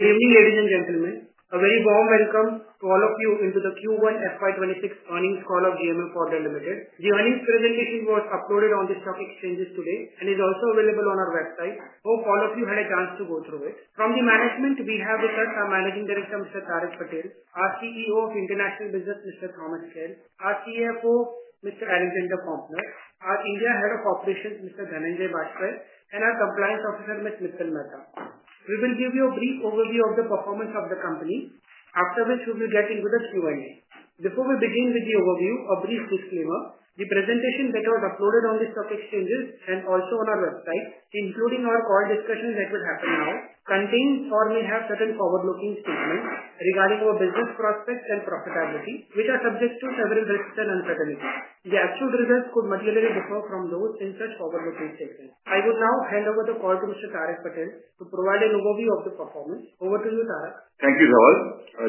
Good evening, ladies and gentlemen. A very warm welcome to all of you to the Q1 FY 2026 earnings call of GMM Pfaudler Limited. The earnings presentation was uploaded on the stock exchanges today and is also available on our website. Hope all of you had a chance to go through it. From the management, we have with us our Managing Director, Mr. Tarak Patel, our CEO of International Business, Mr. Thomas Kehl, our CFO, Mr. Alexander Pömpner, our India Head of Operations, Mr. Dhananjay Bajpeyee, and our Compliance Officer, Ms. Mittal Mehta. We will give you a brief overview of the performance of the company, after which we will get into the Q&A. Before we begin with the overview, a brief disclaimer. The presentation that was uploaded on the stock exchanges and also on our website, including our call discussion that will happen now, contains or may have certain forward-looking statements regarding our business prospects and profitability, which are subject to several risks and uncertainties. The actual results could materially differ from those in such forward-looking statements. I would now hand over the call to Mr. Tarak Patel to provide an overview of the performance. Over to you, Tarak. Thank you, Dhaval.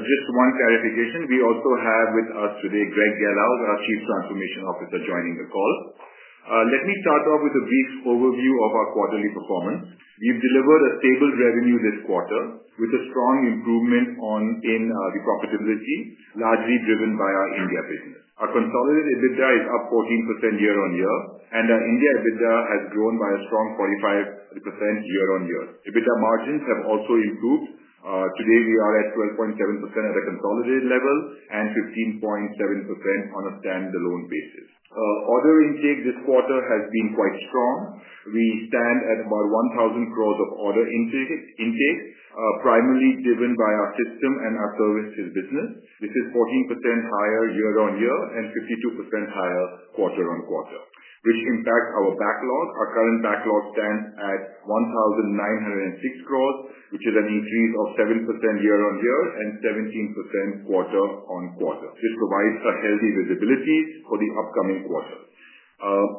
Just for one clarification, we also have with us today Greg Gelhaus, our Chief Transformation Officer, joining the call. Let me start off with a brief overview of our quarterly performance. We've delivered a stable revenue this quarter with a strong improvement in the profitability, largely driven by our India business. Our consolidated EBITDA is up 14% year-on-year, and our India EBITDA has grown by a strong 45% year-on-year. EBITDA margins have also improved. Today, we are at 12.7% at the consolidated level and 15.7% on a standalone basis. Order intake this quarter has been quite strong. We stand at about 1,000 crore of order intake, primarily driven by our system and our services business. This is 14% higher year-on-year and 52% higher quarter-on-quarter, which impacts our backlog. Our current backlog stands at 1,906 crore, which is an increase of 7% year-on-year and 17% quarter-on-quarter, which provides a healthy visibility for the upcoming quarter.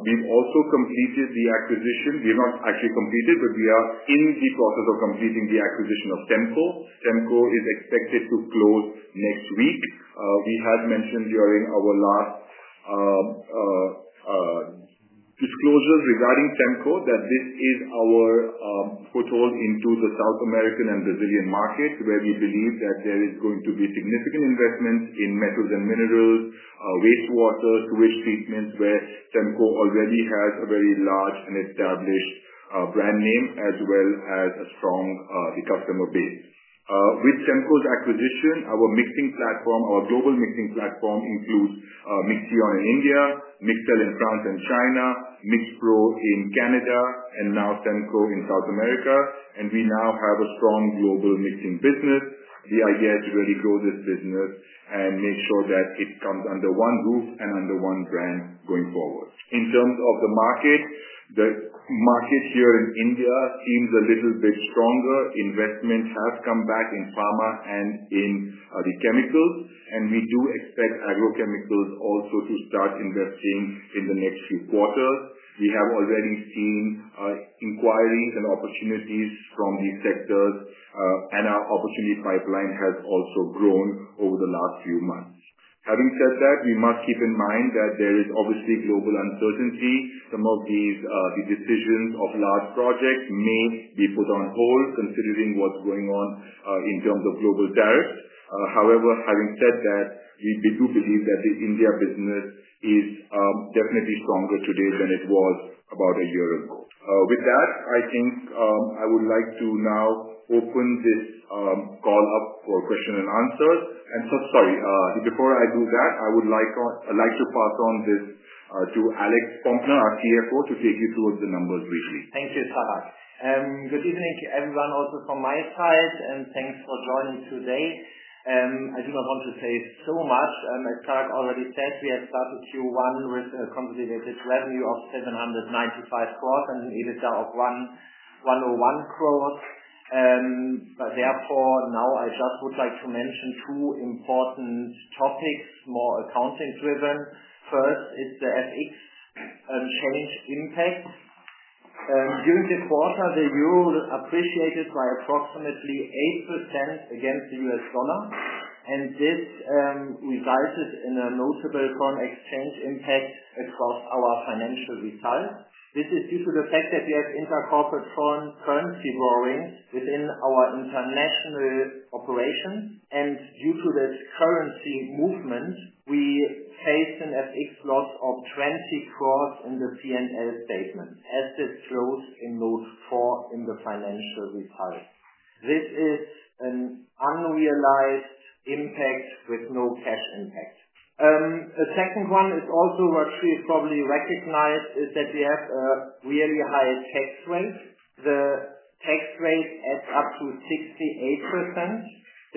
We've also completed the acquisition. We've not actually completed, but we are in the process of completing the acquisition of SEMCO. SEMCO is expected to close next week. We had mentioned during our last disclosure regarding SEMCO that this is our foothold into the South American and Brazilian markets, where we believe that there is going to be significant investments in metals and minerals, wastewater, sewage treatment, where SEMCO already has a very large and established brand name, as well as a strong customer base. With SEMCO's acquisition, our mixing platform, our global mixing platform, includes Mixion in India, Mixtel in France and China, MixPro in Canada, and now SEMCO in South America. We now have6 a strong global mixing business. The idea is to really grow this business and make sure that it comes under one roof and under one brand going forward. In terms of the market, the market here in India seems a little bit stronger. Investments have come back in pharma and in the chemicals, and we do expect agrochemicals also to start investing in the next few quarters. We have already seen inquiries and opportunities from these sectors, and our opportunity pipeline has also grown over the last few months. Having said that, we must keep in mind that there is obviously global uncertainty. Some of these decisions of large projects may be put on hold, considering what's going on in terms of global tariffs. However, having said that, we do believe that the India business is definitely stronger today than it was about a year ago. With that, I think I would like to now open this call up for questions and answers. Sorry, before I do that, I would like to pass on this to Alex Pömpner, our CFO, to take you through the numbers briefly. Thank you, Tarak. Good evening to everyone also from my side, and thanks for joining today. I do not want to say so much. As Tarak already said, we have started Q1 with a consolidated revenue of 795 crore and an EBITDA of 101 crore. I just would like to mention two important topics, more accounting-driven. First, it's the FX currency impact. During this quarter, the euro appreciated by approximately 8% against the U.S. dollar, and this resulted in a notable foreign exchange impact across our financial results. This is due to the fact that we had intercompany currency borrowing within our international operations. Due to this currency movement, we faced an excess lot of currency loss in the P&L statements, as this shows in Note iv in the financial results. This is an unrealized impact with no cash impact. A second one is also what you've probably recognized, is that we have a really high tax rate. The tax rate adds up to 68%.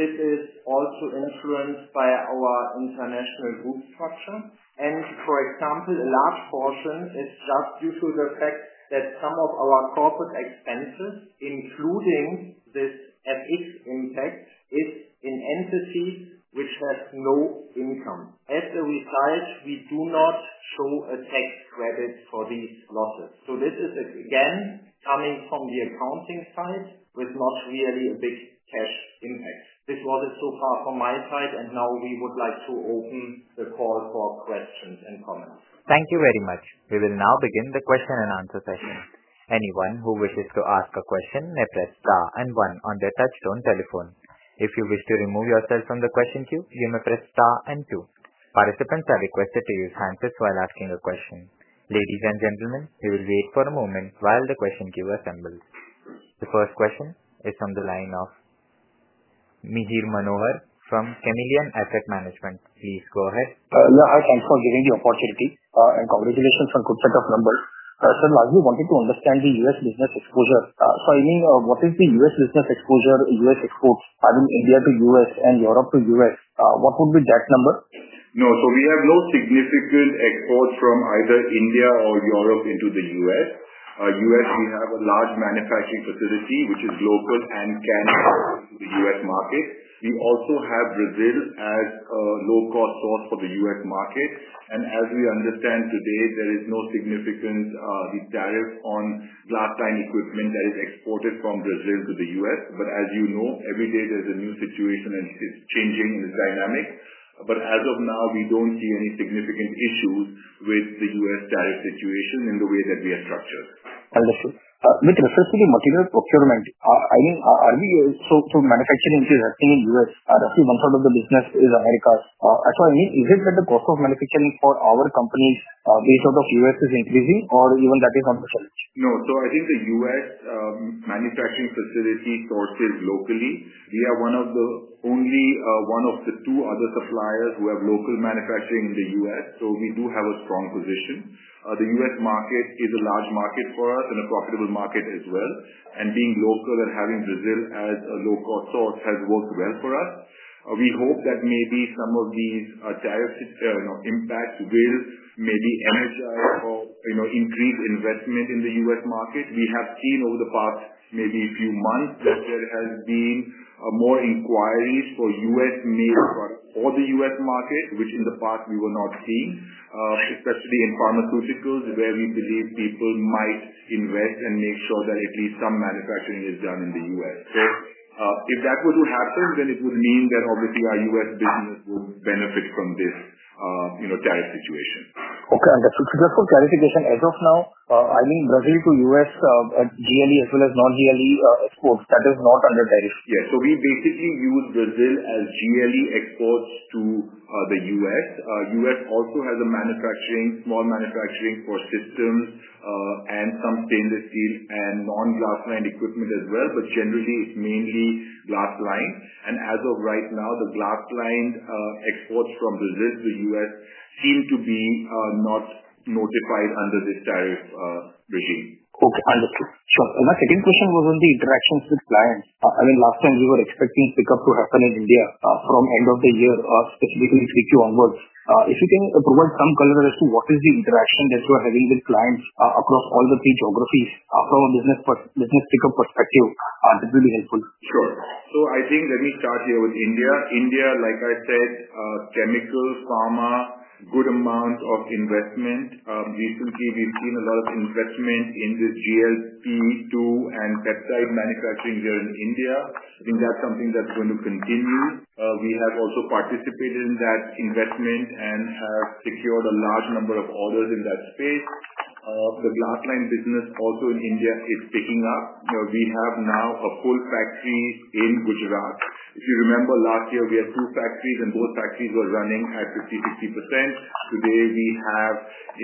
This is also influenced by our international group structure. For example, a large portion is just due to the fact that some of our corporate expenses, including this FX impact, is an entity which has no income. As a result, we do not show a tax credit for these losses. This is, again, coming from the accounting side, with not really a big cash impact. This was it so far from my side, and now we would like to open the call for questions and comments. Thank you very much. We will now begin the question and answer session. Anyone who wishes to ask a question may press star and one on their touch-tone telephone. If you wish to remove yourself from the question queue, you may press star and two. Participants are requested to use hands while asking a question. Ladies and gentlemen, we will wait for a moment while the question queue assembles. The first question is from the line of Mihir Manohar from Carnelian Asset Management. Please go ahead. No, thanks for giving the opportunity and congratulations on a good set of numbers. Sir, last, we wanted to understand the U.S. business exposure. Sir, I mean, what is the U.S. business exposure, U.S. exports? I mean, India to U.S. and Europe to U.S. What would be that number? No, so we have no significant exports from either India or Europe into the U.S. The U.S. has a large manufacturing facility, which is local and can be in the U.S. market. We also have Brazil as a low-cost source for the U.S. market. As we understand today, there is no significant tariff on glass-lined equipment that is exported from Brazil to the U.S. As you know, every day there is a new situation and it's changing in its dynamics. As of now, we don't see any significant issues with the U.S. tariff situation in the way that we are structured. Understood. with reference to the material procurement, I mean, are we, through manufacturing which is resting in the U.S., are the whole 1/3 of the business is America's? Sorry, is it that the cost of manufacturing for our companies based out of the U.S. is increasing or even that is on the floor? No, I think the U.S. manufacturing facility sources locally. We are one of the only one of the two other suppliers who have local manufacturing in the U.S. We do have a strong position. The U.S. market is a large market for us and a profitable market as well. Being local and having Brazil as a low-cost source has worked well for us. We hope that maybe some of these tariff impacts will maybe energize or increase investment in the U.S. market. We have seen over the past maybe a few months that there has been more inquiries for U.S. or the U.S. market, which in the past we were not seeing, especially in pharmaceuticals where we believe people might invest and make sure that at least some manufacturing is done in the U.S. If that were to happen, then it would mean that obviously our U.S. business would benefit from this tariff situation. Okay, understood. Just for clarification, as of now, I mean Brazil to U.S. GLE as well as non-GLE exports, that is not under tariff. Yes, so we basically use Brazil as GLE exports to the U.S. The U.S. also has a small manufacturing for systems and some stainless steel and non-glass-lined equipment as well. Generally, it's mainly glass-lined. As of right now, the glass-lined exports from Brazil to the U.S. seem to be not notified under this tariff regime. Okay, understood. Our second question was on the interactions with clients. Last time we were expecting pickup to happen in India from end of the year between Q2 onwards. If you can provide some color as to what is the interaction that you are having with clients across all the three geographies from a business pickup perspective, that would be really helpful. Sure. I think let me start here with India. India, like I said, chemicals, pharma, a good amount of investment. Recently, we've seen a lot of investment in this GLC2 and peptide manufacturing here in India. I think that's something that's going to continue. We have also participated in that investment and have secured a large number of orders in that space. The glass-lined business also in India is picking up. We have now a full factory in Gujarat. If you remember last year, we had two factories, and both factories were running at 50%, 60%. Today, we have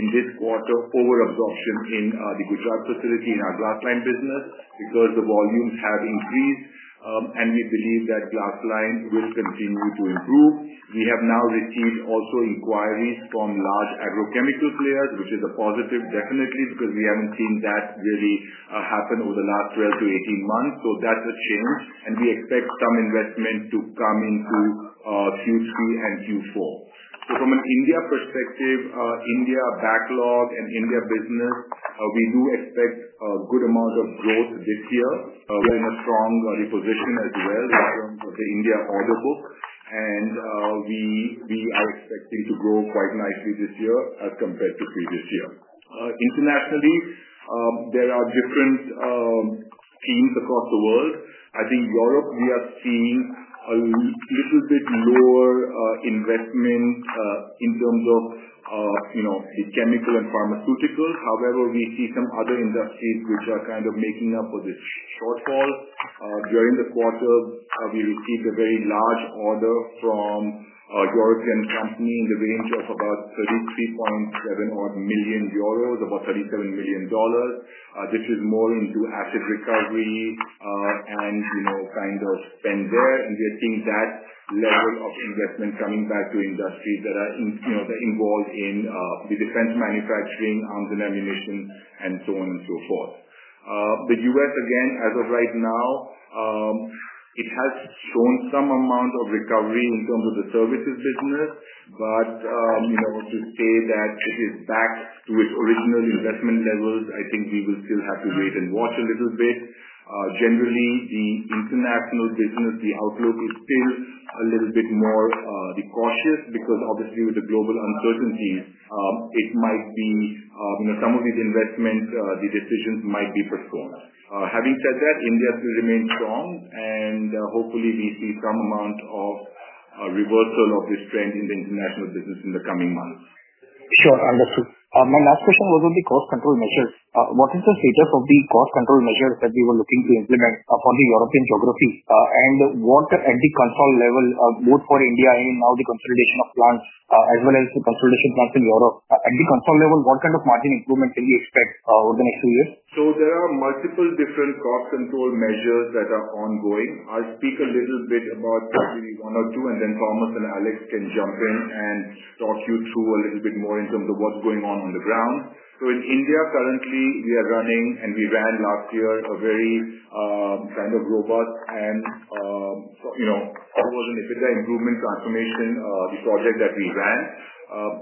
in this quarter overabsorption in the Gujarat facility in our glass-lined business because the volumes have increased. We believe that glass-lined will continue to improve. We have now received also inquiries from large agrochemical players, which is a positive definitely because we haven't seen that really happen over the last 12-18 months. That's a change. We expect some investment to come into Q3 and Q4. From an India perspective, India backlog and India business, we do expect a good amount of growth this year and a strong reposition as well from the India order book. We are expecting to grow quite nicely this year as compared to previous year. Internationally, there are different themes across the world. I think Europe we have seen a little bit lower investment in terms of chemical and pharmaceuticals. However, we see some other industries which are kind of making up for this. During the quarter, we received a very large order from a European company in the range of about 33.7 million euros, about $37 million. This is more into asset recovery and kind of spend there. We are seeing that level of investment coming back to industries that are involved in the defense manufacturing, arms and ammunition, and so on and so forth. The U.S., again, as of right now, it has shown some amount of recovery in terms of the services business. To say that it is back to its original investment level, I think we will still have to wait and watch a little bit. Generally, the international business outlook is still a little bit more cautious because obviously with the global uncertainties, some of these investment decisions might be postponed. Having said that, India remains strong and hopefully we see some amount of a reversal of this trend in the international business in the coming months. Sure, understood. My next question was on the cost control measures. What is the status of the cost control measures that we were looking to implement for the European geographies, and what at the control level, both for India and now the consolidation of plants as well as the consolidation plants in Europe? At the control level, what kind of margin improvement do you expect over the next few years? There are multiple different cost control measures that are ongoing. I'll speak a little bit about maybe one or two and then Thomas and Alex can jump in and talk you through a little bit more in terms of what's going on on the ground. In India, currently we are running and we ran last year a very kind of robust and, you know, what was it, if it had improvement transformation, the project that we ran.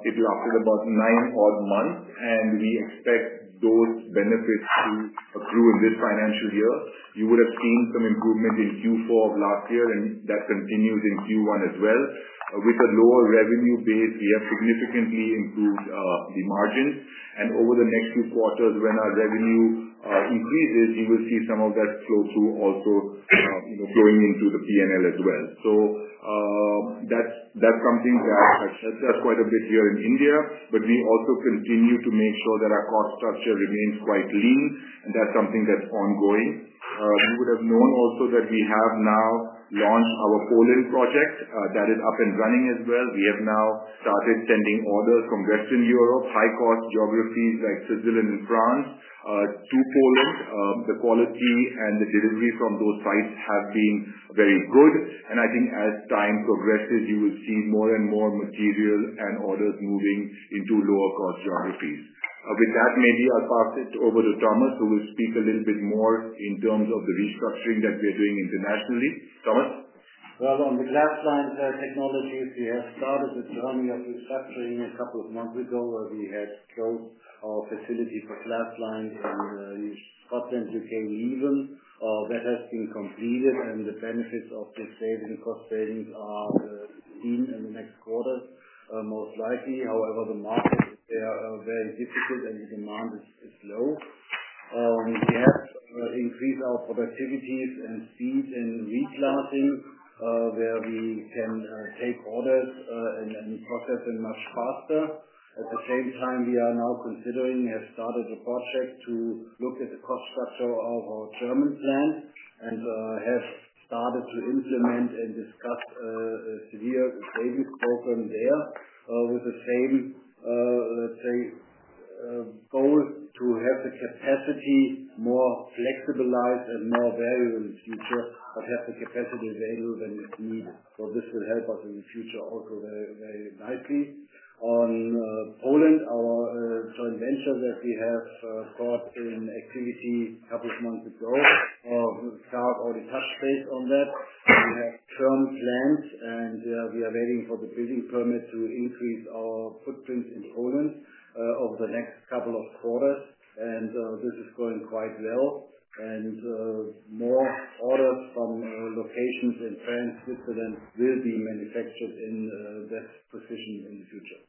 It lasted about 9 odd months and we expect those benefits to be approved in this financial year. You would have seen some improvement in Q4 of last year and that continues in Q1 as well. With a lower revenue base, we have significantly improved the margins. Over the next few quarters, when our revenue increases, you will see some of that flow through also, you know, flowing into the P&L as well. That's something that has helped us quite a bit here in India, but we also continue to make sure that our cost structure remains quite lean and that's something that's ongoing. You would have known also that we have now launched our Poland project that is up and running as well. We have now started sending orders from Western Europe, high-cost geographies like Switzerland and France, to Poland. The quality and the delivery from those sites have been very good. I think as time progresses, you will see more and more material and orders moving into lower-cost geographies. With that, maybe I'll pass it over to Thomas, who will speak a little bit more in terms of the restructuring that we're doing internationally. Thomas? On the glass-lined technologies, we have started the structuring a couple of months ago where we had built our facility for glass-lined and we thought that we can, even that has been completed, and the premises of the cost savings are seen in the next quarter, most likely. However, the markets there are very difficult and the demand is low. We have increased our productivities and seen in reclassing where we can take orders and be processing much faster. At the same time, we are now considering, we have started a project to look at the cost structure of our German plants and have started to implement and discuss a severe savings program there with the same, let's say, goal to have the capacity more flexibilized and more value in the future of having the capacity available when you see it. This will help us in the future also very, very nicely. On Poland, our joint venture that we have brought in activities help us monthly grow, we started out in the first phase on that. We have two plants and we are waiting for the cleaning permit to increase our footprint in Poland over the next couple of quarters. This is going quite well. More orders from locations in France, Switzerland will be manufactured in that position in the future.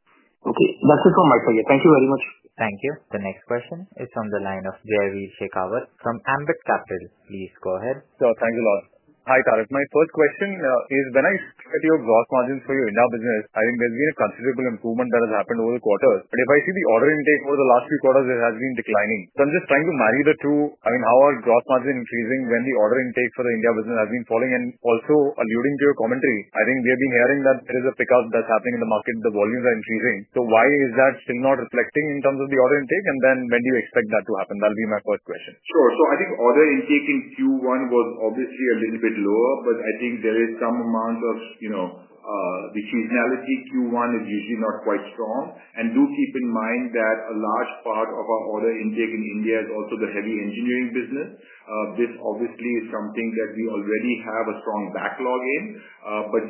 That's a quick summary for me. Thank you very much. Thank you. The next question is on the line of Jaiveer Shekhawat from Ambit Capital. Please go ahead. Sure, thank you a lot. Hi, Tarak. My first question is, when I spoke to your gross margins for your India business, I investigated a considerable improvement that has happened over the quarter. If I see the order intake over the last few quarters, it has been declining. I'm just trying to marry the two. I mean, how are gross margins increasing when the order intake for the India business has been falling? Also, alluding to your commentary, I think we have been hearing that there is a pickup that's happening in the market. The volumes are increasing. Why is that still not reflecting in terms of the order intake? When do you expect that to happen? That would be my first question. Sure. I think order intake in Q1 was obviously a little bit lower, but I think there is some amount of seasonality. Q1 is usually not quite strong. Do keep in mind that a large part of our order intake in India is also the heavy engineering business. This is something that we already have a strong backlog in.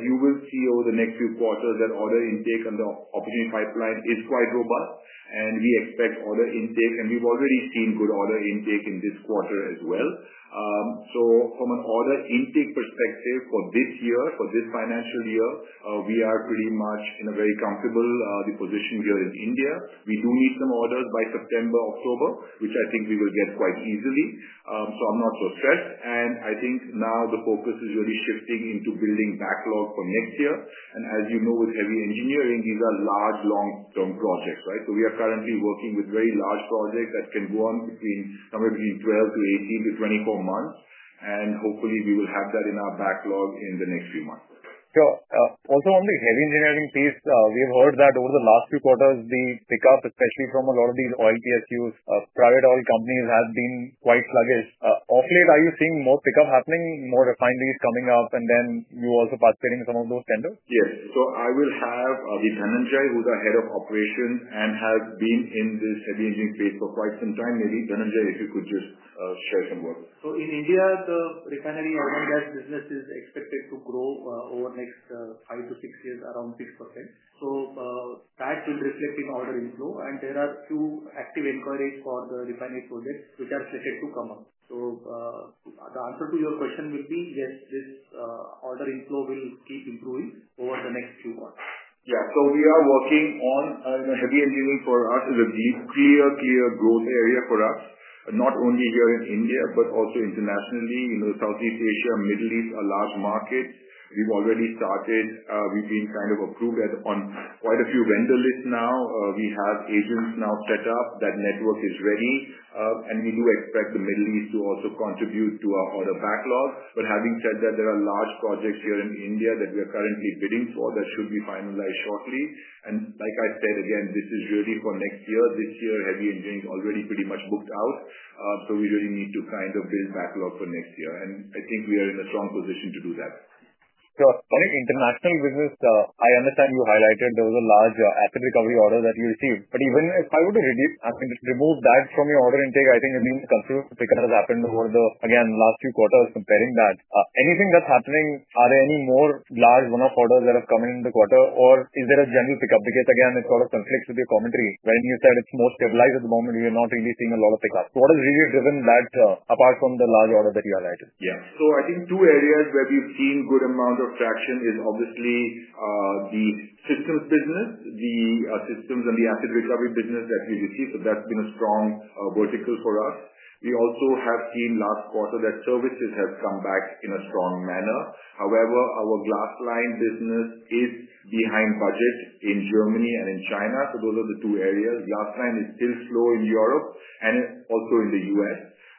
You will see over the next few quarters that order intake and the operating pipeline is quite robust. We expect order intake, and we've already seen good order intake in this quarter as well. From an order intake perspective for this year, for this financial year, we are pretty much in a very comfortable position here in India. We do need some orders by September, October, which I think we will get quite easily. I'm not so stressed. I think now the focus is really shifting into building backlog for next year. As you know, with heavy engineering, these are large long-term projects, right? We are currently working with very large projects that can go on between somewhere between 12 to 18 to 24 months. Hopefully, we will have that in our backlog in the next few months. Sure. Also, on the heavy engineering piece, we have heard that over the last few quarters, the pickup, especially from a lot of these oil PSUs, private oil companies, has been quite sluggish. Off late, are you seeing more pickup happening, more refineries coming up, and then you also participate in some of those tenders? Yes. I will have Dhananjay, who's our Head of Operations and has been in this heavy engineering space for quite some time. Maybe, Dhananjay, if you could just share some work. In India, the refinery oil and gas business is expected to grow over the next 5-6 years around 6%. That can reflect in order inflow. There are two active inquiries for the refinery projects which are expected to come up. The answer to your question would be yes, this order inflow will keep improving over the next few months. Yeah. We are working on heavy engineering. For us, it is a key growth area, not only here in India, but also internationally in Southeast Asia and the Middle East, a lot of markets. We've already started. We've been kind of approved on quite a few vendor lists now. We have agents now set up. That network is ready. We do expect the Middle East to also contribute to our order backlog. Having said that, there are large projects here in India that we are currently bidding for that should be finalized shortly. Like I said, again, this is really for next year. This year, heavy engineering is already pretty much booked out. We really need to kind of build backlog for next year. I think we are in a strong position to do that. Sure. On the international business, I understand you highlighted there was a large asset recovery order that you received. Even if I were to reduce, I can just remove that from your order intake. I think it means considerable pickup has happened over the last few quarters comparing that. Anything that's happening? Are there any more large one-off orders that have come in the quarter, or is there a general pickup? It sort of conflicts with your commentary when you said it's more stabilized at the moment. We are not really seeing a lot of pickups. What has really driven that apart from the large order that you highlighted? Yeah. I think two areas where we've seen a good amount of traction are obviously the systems business, the systems and the asset recovery business that we received. That's been a strong vertical for us. We also have seen last quarter that services have come back in a strong manner. However, our glass-lined business is behind budget in Germany and in China. Those are the two areas. Glass-lined is still slow in Europe and is also in the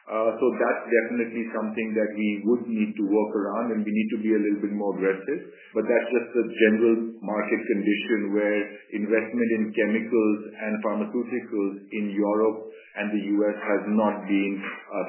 U.S. That's definitely something that we would need to work around, and we need to be a little bit more aggressive. That's just the general market condition where investment in chemicals and pharmaceuticals in Europe and the U.S. has not gained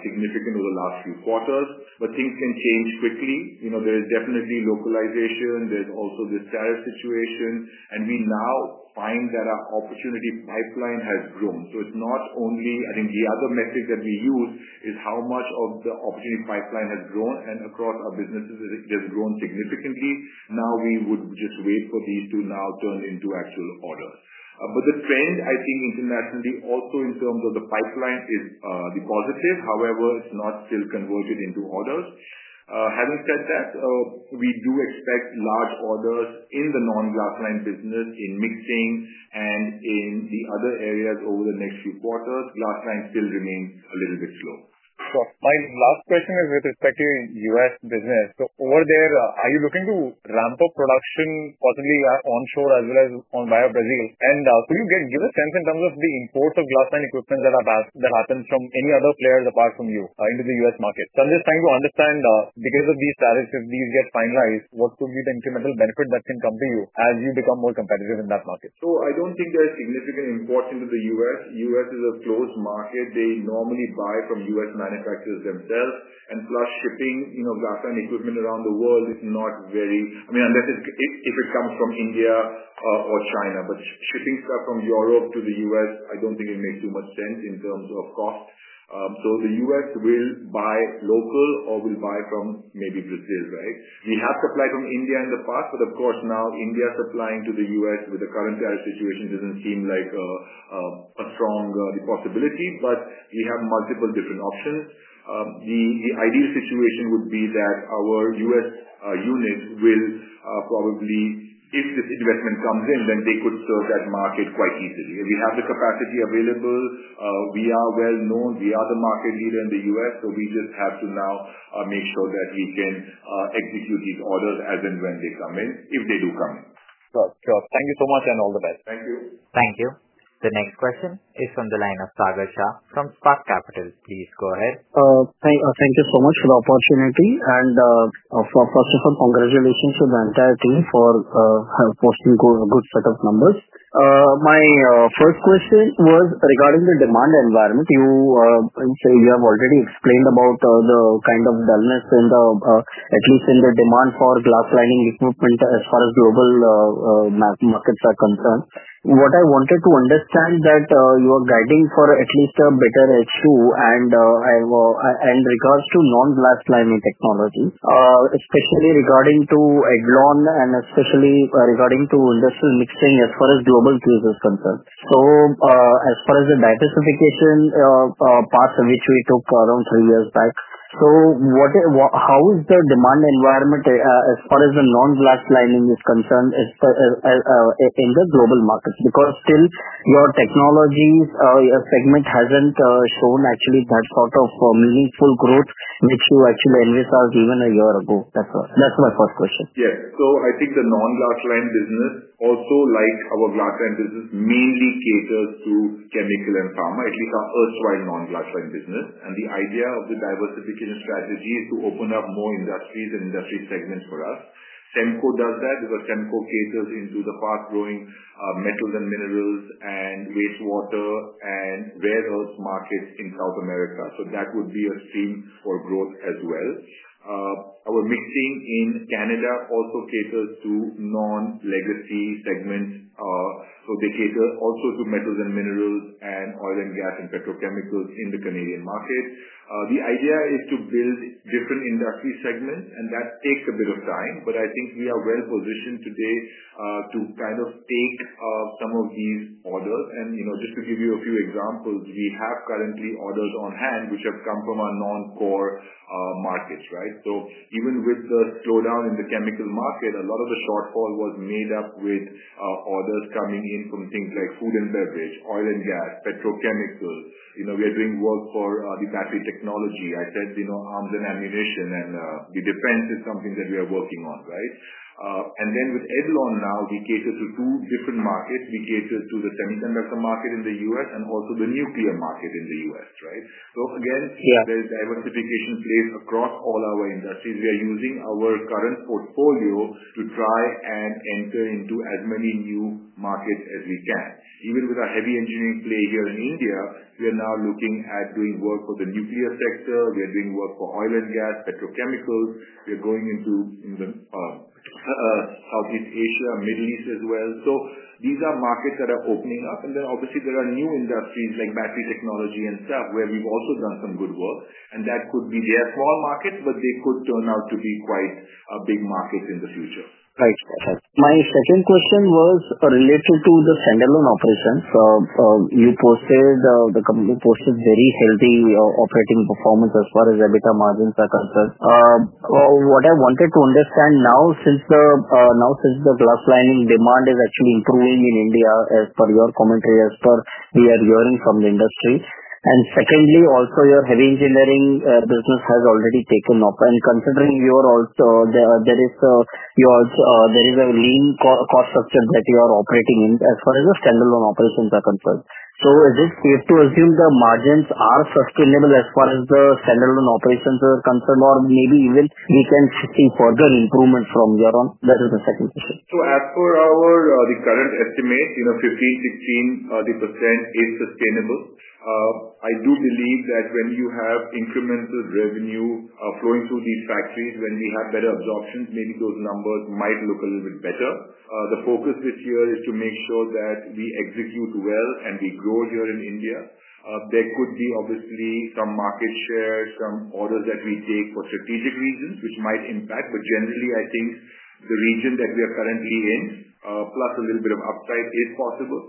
significantly over the last few quarters. Things can change quickly. There is definitely localization. There's also the tariff situation. We now find that our opportunity pipeline has grown. It's not only, I think the other metric that we use is how much of the opportunity pipeline has grown. Across our businesses, it has grown significantly. Now we would just wait for these to now turn into actual orders. The trend, I think, internationally, also in terms of the pipeline, is positive. However, it's not still converted into orders. Having said that, we do expect large orders in the non-glass-lined business in mixing and in the other areas over the next few quarters. Glass-lined still remains a little bit slow. My last question is with respect to U.S. business. Over there, are you looking to ramp up production possibly onshore as well as via Brazil? Could you give a sense in terms of the import of glass-lined equipment that happens from any other players apart from you into the U.S. market? I'm just trying to understand because of these tariffs, if these get finalized, what could be the incremental benefit that can come to you as you become more competitive in that market? I don't think there's significant import into the U.S. The U.S. is a closed market. They normally buy from U.S. manufacturers themselves. Plus, shipping glass-lined equipment around the world is not very, I mean, unless it comes from India or China. Shipping stuff from Europe to the U.S., I don't think it makes too much sense in terms of cost. The U.S. will buy local or will buy from maybe Brazil, right? We have supplied from India in the past, but now India supplying to the U.S. with the current tariff situation doesn't seem like a strong possibility. We have multiple different options. The ideal situation would be that our U.S. unit will probably, if this investment comes in, then they could serve that market quite easily. If we have the capacity available, we are well known. We are the market leader in the U.S. We just have to now make sure that we can execute these orders as and when they come in, if they do come. Sure. Thank you so much and all the best. Thank you. The next question is from the line of Sagar Shah from Spark Capital. Please go ahead. Thank you so much for the opportunity, and first of all, congratulations to the entire team for posting a good set of numbers. My first question was regarding the demand environment. You say you have already explained about the kind of dullness in, at least in the demand for glass-lined equipment as far as global markets are concerned. What I wanted to understand is that you are guiding for at least a better H2, and I have in regards to non-glass-lined technology, especially regarding to Edlon and especially regarding to industrial mixing as far as global cases are concerned. As far as the diversification path which we took around 3 years back, how is the demand environment as far as the non-glass-lined is concerned in the global market? Because still your technologies, your segment hasn't shown actually that sort of meaningful growth, which you actually emphasized even a year ago. That's my first question. Yes. I think the non-glass-lined business, also like our glass-lined business, mainly caters to chemical and pharma. It is our first non-glass-lined business, and the idea of the diversification strategy is to open up more industries and industry segments for us. SEMCO does that because SEMCO caters into the fast-growing metals and minerals and wastewater and rare earth markets in South America. That would be a stream for growth as well. Our mixing in Canada also caters to non-legacy segments. They cater also to metals and minerals and oil and gas and petrochemicals in the Canadian market. The idea is to build different industry segments, and that takes a bit of time. I think we are well-positioned today to kind of take some of these orders. Just to give you a few examples, we have currently orders on hand, which have come from our non-core markets, right? Even with the slowdown in the chemical market, a lot of the shortfall was made up with orders coming in from things like food and beverage, oil and gas, petrochemicals. We are doing work for the package technology. I said, arms and ammunition and the defense is something that we are working on, right? With Edlon now, we cater to two different markets. We cater to the semiconductor market in the U.S. and also the nuclear market in the U.S., right? There is diversification placed across all our industries. We are using our current portfolio to try and enter into as many new markets as we can. Even with our heavy engineering play here in India, we are now looking at doing work for the nuclear sector. We are doing work for oil and gas, petrochemicals. We are going into Southeast Asia and Middle East as well. These are markets that are opening up. Obviously, there are new industries like battery technology and cell where we've also done some good work. That could be their core market, but they could turn out to be quite big markets in the future. Right. My second question was related to the standalone operations. You posted, the company posted very healthy operating performance as far as EBITDA margins are concerned. What I wanted to understand now, since the glass lining demand is actually improving in India, as per your commentary, as per we are hearing from the industry. Secondly, also your heavy engineering business has already taken off. Considering you are also, there is a lean cost structure that you are operating in as far as a standalone operation is concerned. Is it safe to assume the margins are sustainable as far as the standalone operations are concerned, or maybe even we can see further improvements from there on? That is the second question. As per our current estimate, you know, 15%, 16%, 30% is sustainable. I do believe that when you have incremental revenue flowing through these factories, when we have better absorption, maybe those numbers might look a little bit better. The focus this year is to make sure that we execute well and we grow here in India. There could be obviously some market share, some orders that we take for strategic reasons, which might impact. Generally, I think the region that we are currently in, plus a little bit of upside is possible.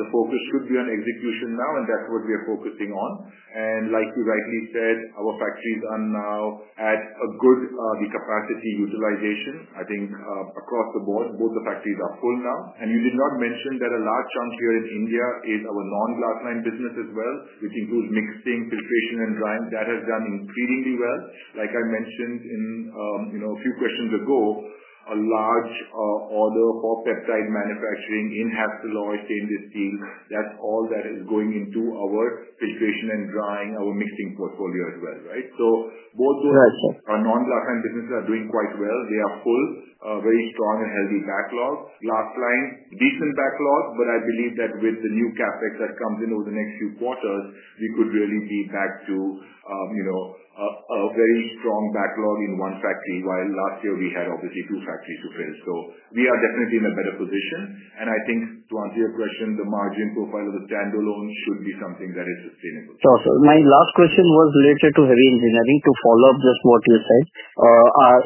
The focus should be on execution now, and that's what we are focusing on. Like we rightly said, our factories are now at a good capacity utilization. I think across the board, both the factories are full now. You did not mention that a large chunk here in India is our non-glass-lined business as well, which includes mixing, filtration, and drying. That has done increasingly well. Like I mentioned a few questions ago, a large order for peptide manufacturing in Hastelloy stainless steel. That's all that is going into our filtration and drying, our mixing portfolio as well, right? Both those non-glass-lined businesses are doing quite well. They are full, very strong and healthy backlog. Glass-lined, decent backlog, but I believe that with the new CapEx that comes in over the next few quarters, we could really be back to, you know, a very strong backlog in one factory while last year we had obviously two factories to finish. We are definitely in a better position. I think to answer your question, the margin profile of the standalone should be something that is sustainable. Sure. My last question was related to heavy engineering to follow up with what you said.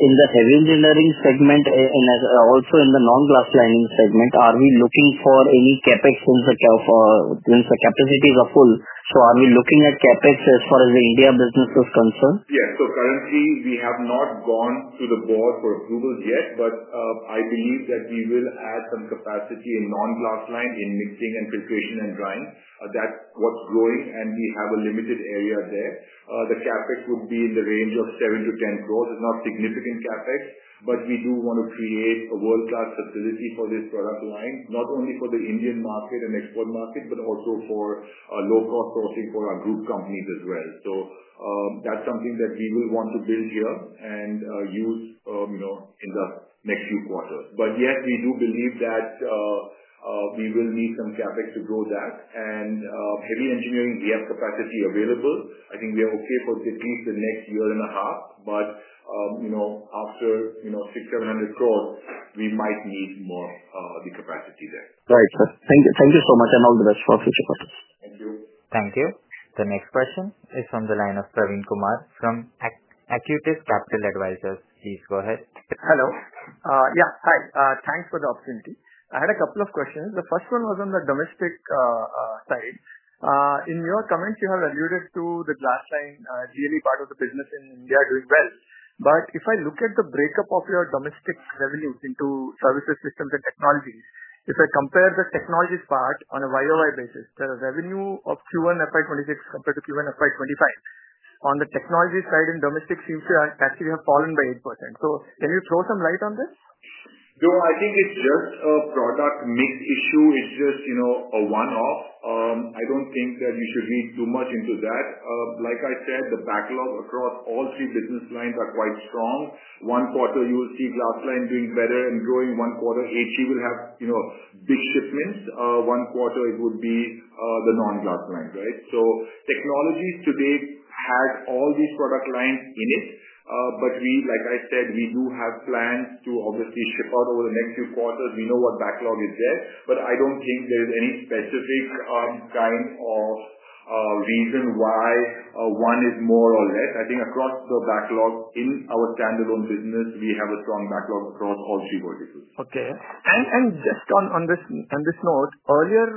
In the heavy engineering segment and also in the non-glass-lined segment, are we looking for any CapEx since the capacities are full? Are we looking at CapEx as far as the India business is concerned? Yes. Currently, we have not gone to the board for approvals yet, but I believe that we will add some capacity in non-glass-lined in mixing and filtration and drying. That's what's growing, and we have a limited area there. The CapEx would be in the range of 7 crore-10 crore. It's not significant CapEx, but we do want to create a world-class facility for this product line, not only for the Indian market and export market, but also for low-cost crossing for our group companies as well. That's something that we will want to build here and use in the next few quarters. We do believe that we will need some CapEx to grow that. In heavy engineering, we have capacity available. I think we are okay for the tools the next year and a half. After 600 crore-700 crore, we might need more of the capacity there. Right. Thank you. Thank you so much. All the best for future projects. Thank you. The next question is from the line of Praveen Kumar from Acuitas Capital Advisers. Please go ahead. Hello. Hi. Thanks for the opportunity. I had a couple of questions. The first one was on the domestic side. In your comments, you have alluded to the glass-lined equipment part of the business in India doing well. If I look at the breakup of your domestic revenues into services, systems, and technologies, if I compare the technologies part on a year-over-year basis, the revenue of Q1 FY 2026 compared to Q1 FY 2025, on the technology side in domestic sheets, you actually have fallen by 8%. Can you throw some light on this? No, I think it's just a product mix issue. It's just, you know, a one-off. I don't think that you should read too much into that. Like I said, the backlog across all three business lines is quite strong. One quarter, you will see glass-lined doing better and growing. One quarter, heavy engineering will have, you know, big shipments. One quarter, it would be the non-glass-lined, right? Technologies to date had all these product lines in it. Like I said, we do have plans to obviously ship out over the next few quarters. We know our backlog is there. I don't think there is any specific kind of reason why one is more or less. I think across the backlog in our standalone business, we have a strong backlog across all three verticals. Okay. Just on this note, earlier,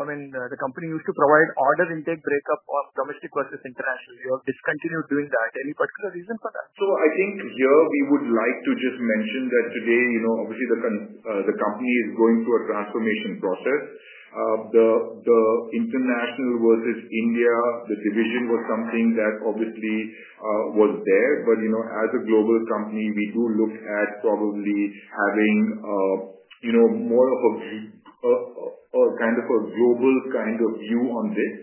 I mean, the company used to provide order intake breakup of domestic versus international. You have discontinued doing that. Any particular reason for that? I think here we would like to just mention that today, obviously the company is going through a transformation process. The international versus India, the division was something that obviously was there. As a global company, we do look at probably having more of a kind of a global kind of view on this.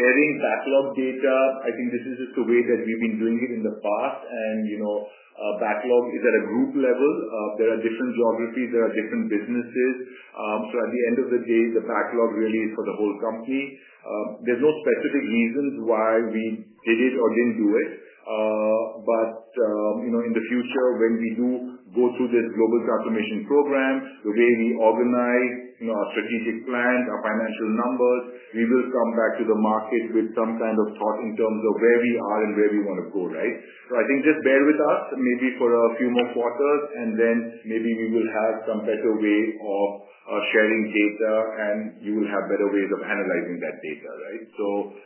Sharing backlog data, I think this is just the way that we've been doing it in the past. Backlog is at a group level. There are different geographies. There are different businesses. At the end of the day, the backlog really is for the whole company. There's no specific reasons why we did it or didn't do it. In the future, when we do go through this global transformation program, the way we organize our strategic plans, our financial numbers, we will come back to the markets with some kind of thought in terms of where we are and where we want to go, right? I think just bear with us maybe for a few more quarters, and then maybe we will have some type of way of sharing data, and you will have better ways of analyzing that data, right?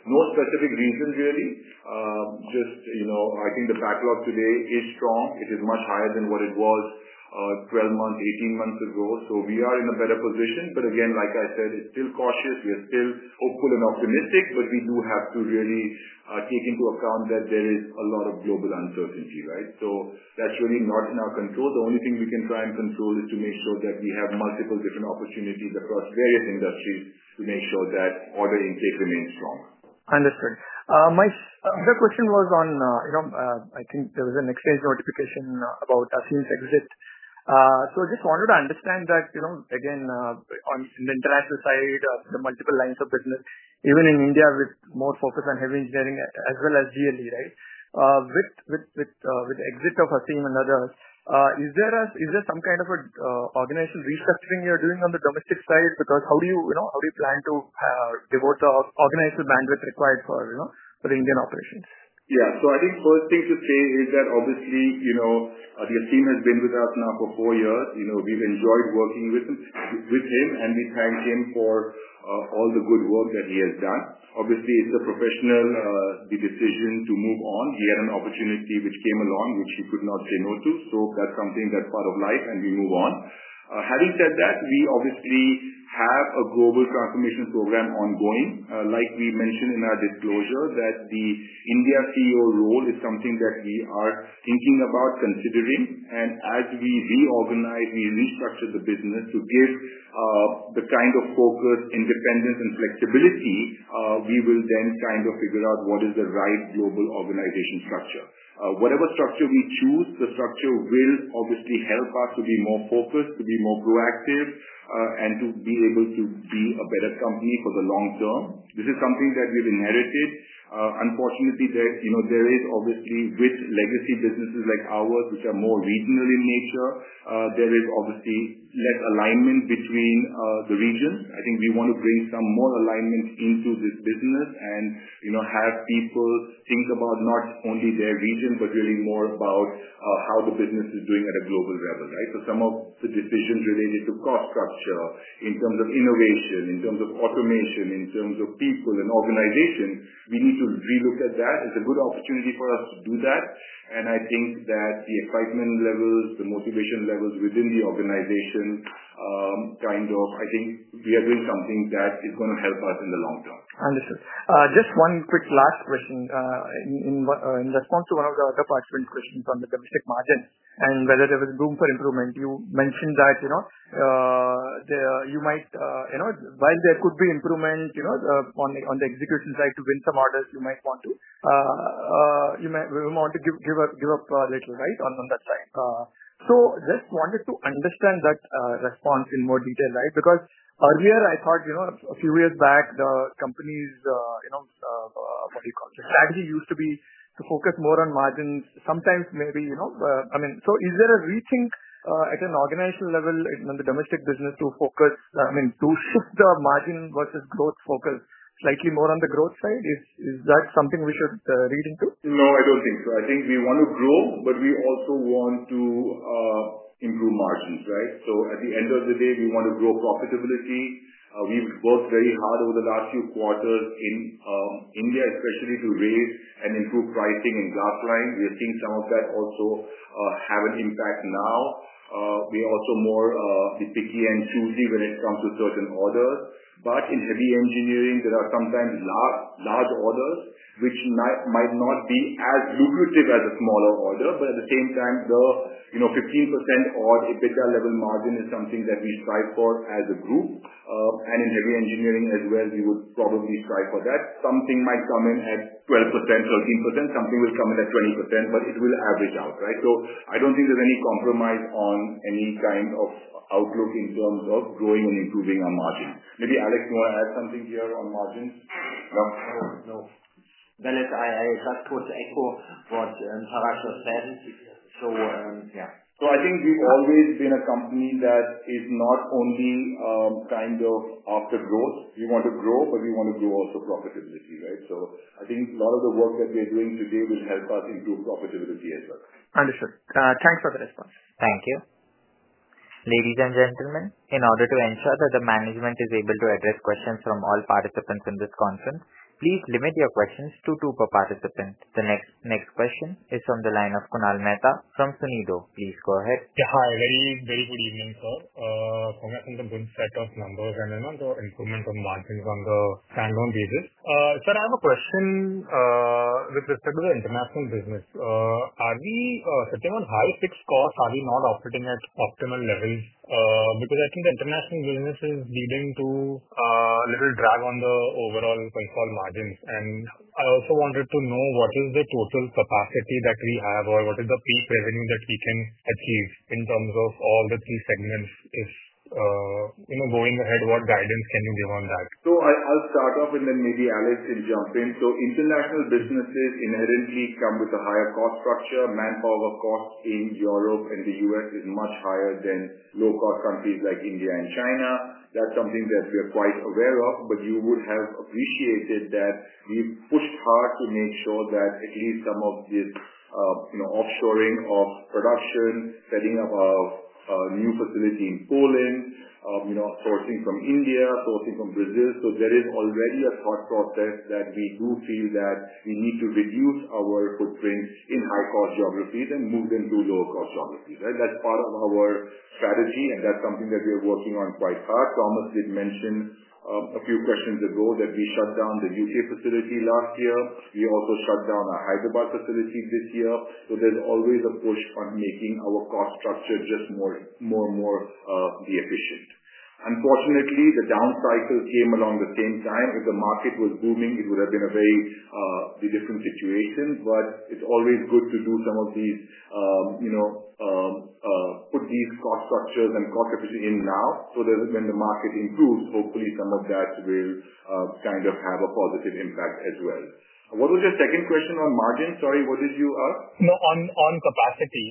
No specific reasons really. I think the backlog today is strong. It is much higher than what it was 12 months, 18 months ago. We are in a better position. Like I said, it's still cautious. We are still hopeful and optimistic, but we do have to really take into account that there is a lot of global uncertainty, right? That's really not in our control. The only thing we can try and control is to make sure that we have multiple different opportunities across various industries to make sure that order intake remains strong. Understood. My question was on, you know, I think there was an exchange notification about Aseem's exit. I just wanted to understand that, you know, again, on the international side of the multiple lines of business, even in India with more focus on heavy engineering as well as glass-lined equipment, right? With the exit of Aseem and others, is there some kind of an organizational restructuring you are doing on the domestic side? How do you plan to devote the organizational bandwidth required for the Indian operations? Yeah. I think first things to say is that obviously, you know, Aseem has been with us now for 4 years. We've enjoyed working with him, and we thank him for all the good work that he has done. Obviously, it's a professional decision to move on. He had an opportunity which came along, which he could not say no to. That's something that's part of life, and we move on. Having said that, we obviously have a global transformation program ongoing. Like we mentioned in our disclosure, the India CEO role is something that we are thinking about considering. As we reorganize, we restructure the business to give the kind of focus, independence, and flexibility, we will then kind of figure out what is the right global organization structure. Whatever structure we choose, the structure will obviously help us to be more focused, to be more proactive, and to be able to be a better company for the long term. This is something that we've inherited. Unfortunately, there is obviously with legacy businesses like ours, which are more regional in nature, there is less alignment between the region. I think we want to bring some more alignment into this business and have people think about not only their region, but really more about how the business is doing at a global level, right? Some of the decisions related to cost structure, in terms of innovation, in terms of automation, in terms of people and organization, we need to relook at that. It's a good opportunity for us to do that. I think that the excitement levels, the motivation levels within the organization, kind of I think we are doing something that is going to help us in the long term. Understood. Just one quick last question. In response to one of the other participant questions on the domestic margins and whether there was room for improvement, you mentioned that while there could be improvement on the execution side to win some orders, you might want to give up a little light, on that side. I just wanted to understand that response in more detail, right? Because earlier I thought a few years back, the companies, what do you call it? The strategy used to be to focus more on margins. Sometimes maybe, I mean, is there a reaching at an organizational level in the domestic business to focus, I mean, to shift the margin versus growth focus slightly more on the growth side? Is that something we should read into? No, I don't think so. I think we want to grow, but we also want to improve margins, right? At the end of the day, we want to grow profitability. We've worked very hard over the last few quarters in India, especially to raise and improve pricing and glass-lined. We're seeing some of that also have an impact now. We are also more picky and choosy when it comes to certain orders. In heavy engineering, there are sometimes large orders, which might not be as lucrative as a smaller order. At the same time, the 15% odd EBITDA level margin is something that we strive for as a group, and in heavy engineering as well, we would probably strive for that. Something might come in at 12%, 13%. Something will come in at 20%, but it will average out, right? I don't think there's any compromise on any kind of outlook in terms of growing and improving our margins. Maybe Alexander Pömpner wants to add something here on margins? No, whereas I would just echo what Tarak just said. Yeah. I think we've always been a company that is not only trying to go after growth. We want to grow, but we want to give also profitability, right? I think a lot of the work that we're doing today will help us improve profitability as well. Understood. Thanks for the response. Thank you. Ladies and gentlemen, in order to ensure that the management is able to address questions from all participants in this conference, please limit your questions to two per participant. The next question is from the line of Kunal Mehta from Sunidhi. Please go ahead. Sahar, very, very good evening, sir. Coming up with a good set of numbers and a lot of improvement on margins on the standalone basis. Sir, I have a question with respect to the international business. Are we sitting on high fixed costs? Are we not operating at optimal levels? I think the international business is leading to a little drag on the overall control margins. I also wanted to know what is the total capacity that we have or what is the peak revenue that we can achieve in terms of all the key segments? If you know, going ahead, what guidance can you give on that? I'll start off and then maybe Alex can jump in. International businesses inherently come with a higher cost structure. Manpower cost in Europe and the U.S. is much higher than low-cost countries like India and China. That's something that we are quite aware of. You would have appreciated that we've put hard to make sure that at least some of this, you know, offshoring of production, setting up a new facility in Poland, sourcing from India, sourcing from Brazil. There is already a short process that we do see that we need to reduce our footprints in high-cost geographies and move them to lower-cost geographies. That's part of our strategy, and that's something that we're working on quite hard. Thomas did mention a few questions ago that we shut down the U.K. facility last year. We also shut down our Hyderabad facility this year. There's always a push on making our cost structure just more, more, more efficient. Unfortunately, the down cycle came along the same time. If the market was booming, it would have been a very different situation. It's always good to do some of these, you know, put these cost structures and cost efficiency in now so that when the market improves, hopefully some of that will kind of have a positive impact as well. What was your second question on margins? Sorry, what did you? No, on capacity.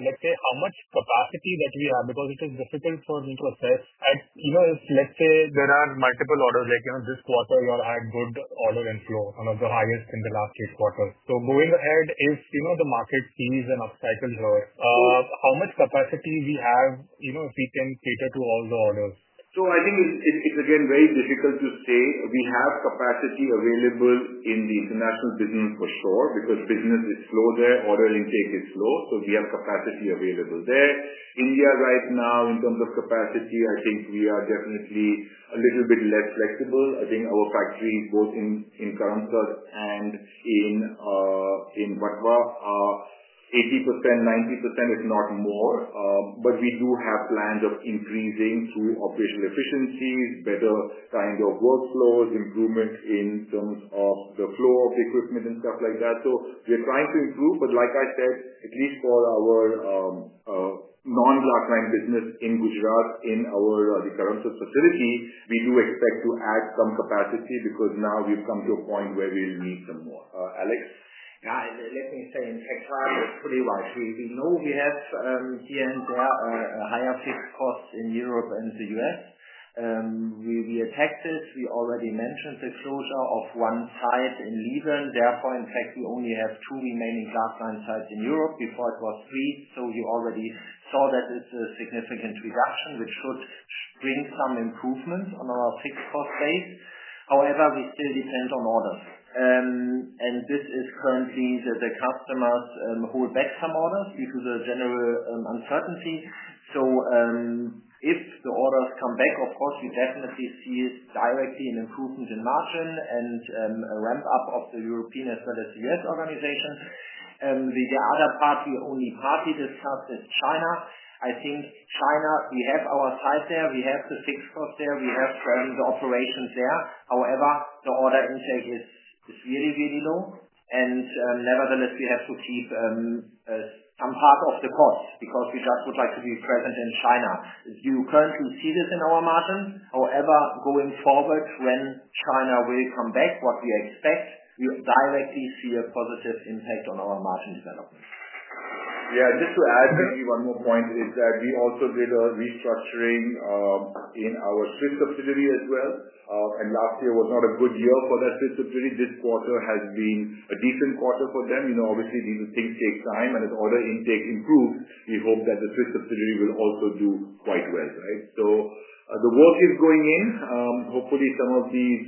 Let's say how much capacity that we have because it is difficult for me to assess. If, let's say, there are multiple orders, like this quarter you had good order inflow, the highest in the last six quarters. Going ahead, if the market sees an upcycle growth, how much capacity we have, if we can cater to all the orders. I think it's again very difficult to say. We have capacity available in the international business for sure because business is slow there. Order intake is slow. We have capacity available there. India right now in terms of capacity, I think we are definitely a little bit less flexible. I think our factories both in Karamsad and in Vatva are at 80%, 90%, if not more. We do have plans of increasing through operational efficiencies, better kind of workflows, improvement in terms of the flow of the equipment and stuff like that. We're trying to improve. Like I said, at least for our non-glass-lined business in Gujarat, in our Karamsad facility, we do expect to add some capacity because now we've come to a point where we will need some more. Alex? Yeah, let me say, and Tarak is pretty right. We know we have here and there a higher fixed cost in Europe and the U.S. We attacked it. We already mentioned the closure of one site in Leven. Therefore, in fact, we only have two remaining glass-lined sites in Europe. Before it was three. You already saw that this is a significant reduction, which should bring some improvements on our fixed cost base. However, we still depend on orders. This is currently the customers hold back some orders due to the general uncertainty. If the orders come back, of course, we definitely see directly an improvement in margin and a ramp-up of the European as well as the U.S. organizations. The other party, only party that's helped is China. I think China, we have our size there. We have the fixed cost there. We have the operations there. However, the order intake is really, really low. Nevertheless, we have to keep some part of the cost because we would like to be present in China. You currently see this in our margins. However, going forward, when China will come back, what we expect, we directly see a positive impact on our margin development. Yeah, just to add maybe one more point is that we also did a restructuring in our Swiss subsidiary as well. Last year was not a good year for that Swiss subsidiary. This quarter has been a decent quarter for them. Obviously, these things take time. As order intake improves, we hope that the Swiss subsidiary will also do quite well, right? The work is going in. Hopefully, some of these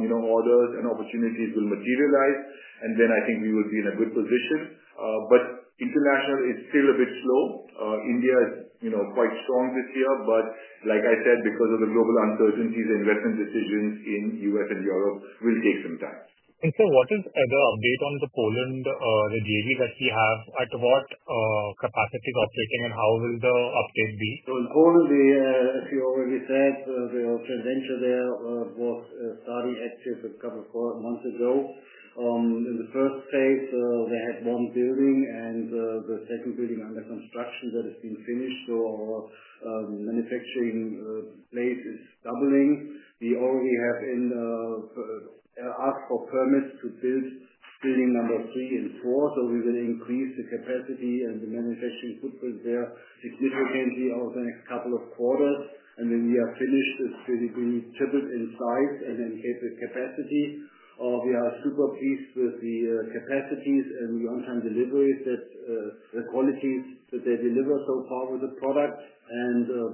orders and opportunities will materialize. I think we will be in a good position. International, it's still a bit slow. India is, you know, quite strong this year. Like I said, because of the global uncertainties, investment decisions in the U.S. and Europe will take some time. What is the update on the Poland the JV that we have? At what capacity is it uptaking, and how will the uptake be? In Poland, as you already said, the joint venture there was far reactive for a couple of months ago. In the first phase, they had one building, and the second building under construction that is being finished. Our manufacturing place is doubling. We only have asked for permits to build building number three and four. We will increase the capacity and the manufacturing footprint there significantly over the next couple of quarters. We are finished with the triple in size and then hit the capacity. We are super pleased with the capacities and the on-time deliveries, the qualities that they deliver so far with the product.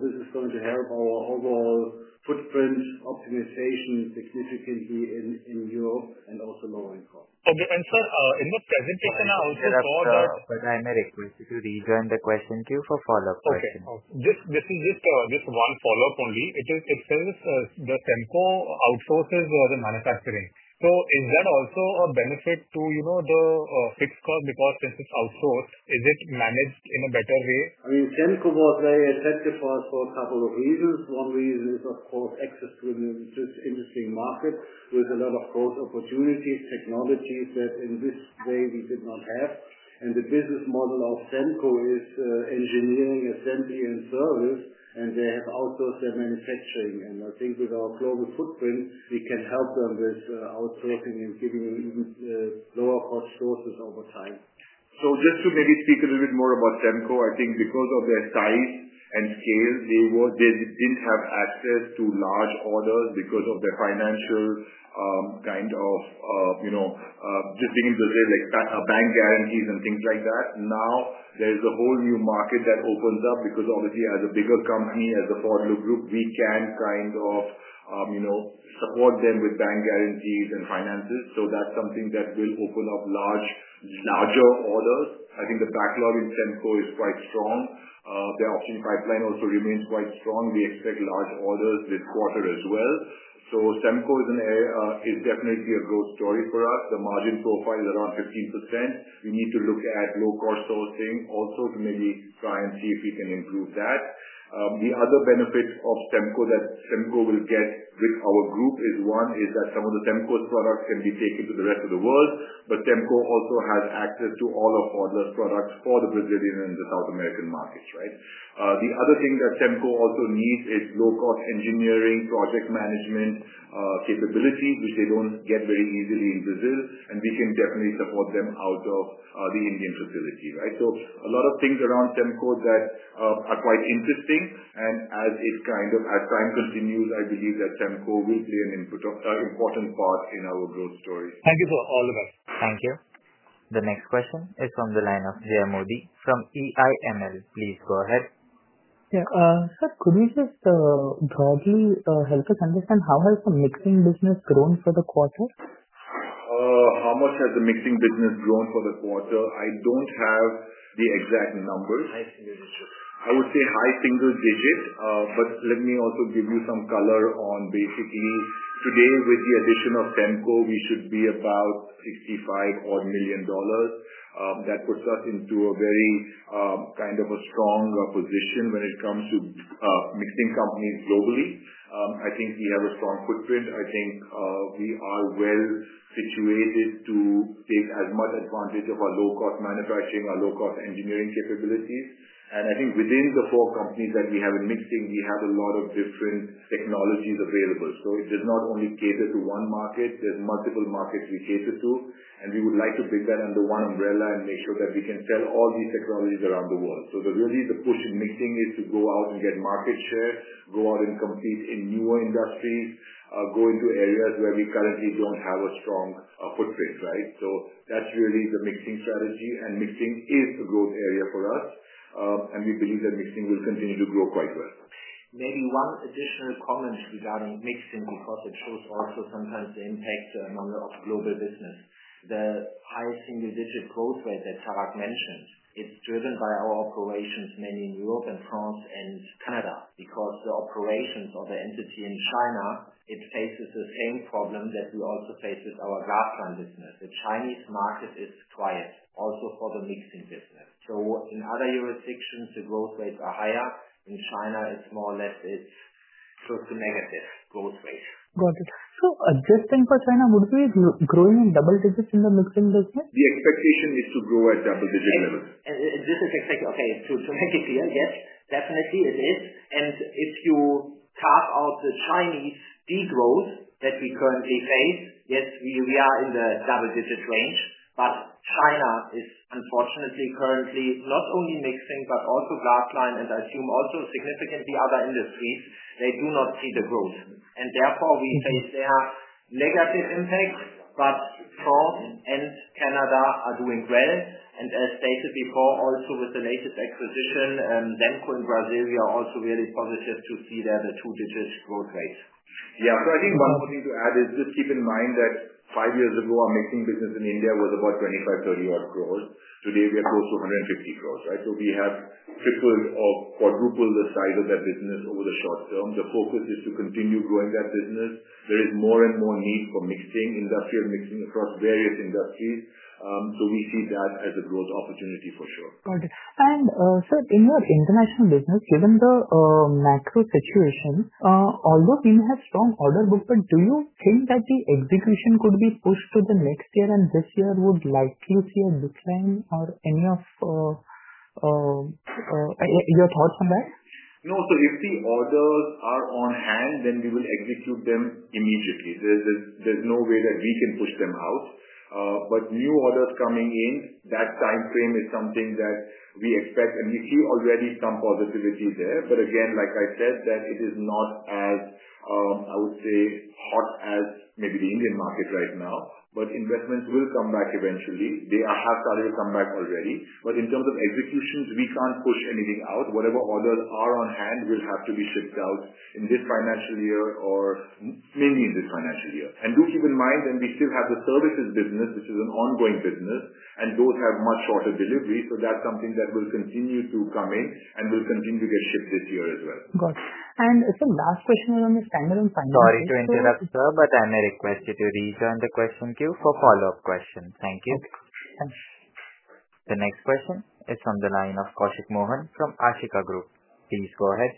This is going to help our overall footprint optimization significantly in Europe and also lowering costs. In the presentation I also saw that I met with you to rejoin the question. Thank you for follow-up question. Just. Just one follow-up only. It says that SEMCO outsources more of the manufacturing. Is that also a benefit to the fixed cost because this is outsourced? Is it managed in a better way? I mean, SEMCO was very attractive for us for a couple of reasons. One reason is, of course, access to the industry market with a lot of growth opportunities, technologies that in this way we did not have. The business model of SEMCO is engineering, assembly and service, and they have outsourced their manufacturing. I think with our global footprint, we can help them with outsourcing and giving them lower cost sources over time. Just to maybe speak a little bit more about SEMCO, I think because of their size and scale, they didn't have access to large orders because of their financial, kind of, you know, drifting into things like bank guarantees and things like that. Now there's a whole new market that opens up because obviously as a bigger company, as a GMM Pfaudler Group, we can kind of, you know, support them with bank guarantees and finances. That's something that will open up larger orders. I think the backlog in SEMCO is quite strong. Their option pipeline also remains quite strong. We expect large orders this quarter as well. SEMCO is definitely a growth story for us. The margin so far is around 15%. We need to look at low-cost sourcing also to maybe try and see if we can improve that. The other benefit that SEMCO will get with our group is that some of the SEMCO products can be taken to the rest of the world. SEMCO also has access to all of GMM Pfaudler's products for the Brazilian and the South American markets, right? The other thing that SEMCO also needs is low-cost engineering, project management capability, which they don't get very easily in Brazil. We can definitely support them out of the Indian facility, right? A lot of things around SEMCO are quite interesting. As time continues, I believe that SEMCO will play an important part in our growth story. Thank you from all of us. Thank you. The next question is from the line of Jay Modi from EIML. Please go ahead. Yeah. Sir, could you just broadly help us understand how has the mixing business grown for the quarter? How much has the mixing business grown for the quarter? I don't have the exact numbers. High single digits. I would say high single digits. Let me also give you some color on basically today with the addition of SEMCO, we should be about $65 million. That puts us into a very kind of strong position when it comes to mixing companies globally. I think we have a strong footprint. I think we are well situated to take as much advantage of our low-cost manufacturing, our low-cost engineering capabilities. I think within the four companies that we have in mixing, we have a lot of different technologies available. It does not only cater to one market. There are multiple markets we cater to, and we would like to build that under one umbrella and make sure that we can sell all these technologies around the world. Really, the push in mixing is to go out and get market share, go out and compete in newer industries, go into areas where we currently don't have a strong footprint, right? That's really the mixing strategy. Mixing is a growth area for us, and we believe that mixing will continue to grow quite well. Maybe one additional comment regarding mixing because it shows also sometimes the impact on the global business. The highest single-digit growth rate that Tarak mentioned, it's driven by our operations, mainly in Europe, France, and Canada. Because the operations of the entity in China, it faces the same problem that we also face with our glass-lined business. The Chinese market is quiet also for the mixing business. In other jurisdictions, the growth rates are higher. In China, it's more or less a total negative growth rate. Got it. Just think for China, would it be growing in double digits in the mixing business? The expectation is to grow at double-digit levels. Exactly. Exactly. Okay. To make it clear, yes, definitely it is. If you talk of the Chinese degrowth that we currently face, yes, we are in the double-digit range. China is unfortunately currently not only mixing, but also glass-lined, and I assume also significantly other industries. They do not see the growth. Therefore, we face their negative impacts. France and Canada are doing well. As stated before, also with the latest acquisition, SEMCO in Brazil is also really positive to see there the two-digit growth rates. Yeah. I think one more thing to add is just keep in mind that 5 years ago, our mixing business in India was about 25 crore-30 crore. Today, we are close to 150 crore, right? We have tripled or quadrupled the size of that business over the short term. The focus is to continue growing that business. There is more and more need for mixing, industrial mixing across various industries. We see that as a growth opportunity for sure. Got it. Sir, in your international business, given the macro situation, although you have strong order movement, do you think that the execution could be pushed to the next year and this year would likely see a decline or any of your thoughts on that? No. If the orders are on hand, then we will execute them immediately. There's no way that we can push them out. New orders coming in, that timeframe is something that we expect. We see already some positivity there. Like I said, it is not as, I would say, hot as maybe the Indian market right now. Investments will come back eventually. They have started to come back already. In terms of executions, we can't push anything out. Whatever orders are on hand will have to be shipped out in this financial year or maybe in this financial year. Do keep in mind that we still have the services business, which is an ongoing business, and those have much shorter delivery. That's something that will continue to come in and will continue to get shipped this year as well. Got it. Last question is on the standalone finance. Sorry to interrupt, sir, but I may request that you rejoin the question queue for follow-up questions. Thank you. The next question is from the line of Koushik Mohan from Ashika Group. Please go ahead.